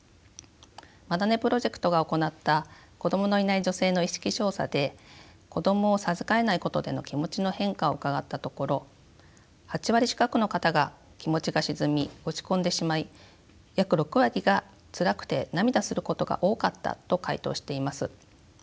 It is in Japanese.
マダネプロジェクトが行った「子どものいない女性の意識調査」で子どもを授かれないことでの気持ちの変化を伺ったところ８割近くの方が気持ちが沈み落ち込んでしまい約６割がつらくて涙することが多かったと回答しています。